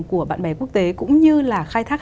của bạn bè quốc tế cũng như là khai thác